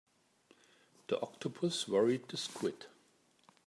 The octopus worried the squid.